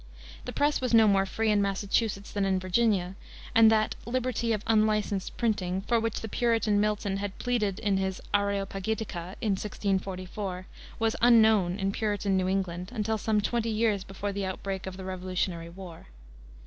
The press was no more free in Massachusetts than in Virginia, and that "liberty of unlicensed printing," for which the Puritan Milton had pleaded in his Areopagitica, in 1644, was unknown in Puritan New England until some twenty years before the outbreak of the Revolutionary War.